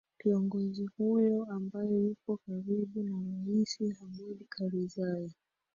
kiongozi huyo ambaye yupo karibu na rais hamid karzai